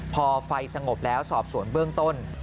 พอไฟสงบแล้วสอบสวนเบื้องต้น